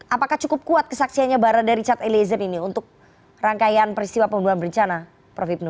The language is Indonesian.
apakah cukup kuat kesaksiannya barada richard eliezer ini untuk rangkaian peristiwa pembunuhan berencana prof hipnu